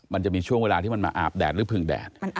มันจะมีช่วงเวลาที่มันมาอาบแดดหรือพึงแดด